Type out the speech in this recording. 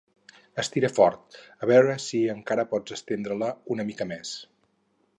Estira fort: a veure si encara pots estendre-la una mica més.